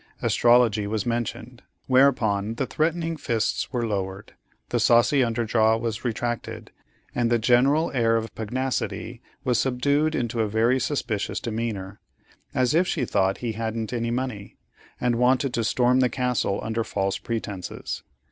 Astrology was mentioned, whereupon the threatening fists were lowered, the saucy under jaw was retracted, and the general air of pugnacity was subdued into a very suspicious demeanor, as if she thought he hadn't any money, and wanted to storm the castle under false pretences.